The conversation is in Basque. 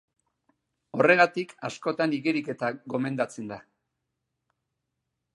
Horregatik askotan igeriketa gomendatzen da.